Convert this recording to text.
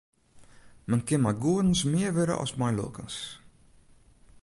Men kin mei goedens mear wurde as mei lulkens.